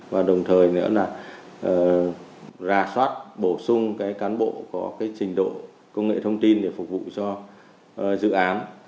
và đồng thời nữa là ra soát bổ sung cán bộ có trình độ công nghệ thông tin để phục vụ cho dự án